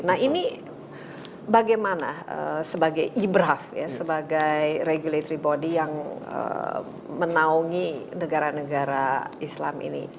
nah ini bagaimana sebagai ibraf sebagai regulatory body yang menaungi negara negara islam ini